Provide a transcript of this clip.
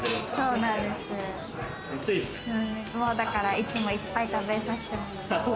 いつもいっぱい食べさせてもらう。